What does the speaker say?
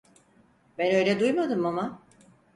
Ben öyle duymadım ama.